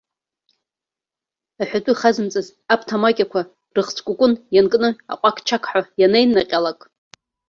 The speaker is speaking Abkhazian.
Аҳәатәы хазымҵаз аԥҭамакьақәа, рыхцәкәыкәын ианкны, аҟәақчақҳәа ианеиннаҟьалак.